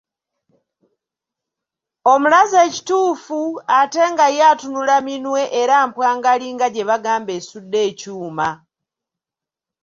Omulaze ekituufu ate nga ye atunula minwe era mpwangali nga gye bagamba esudde ekyuma!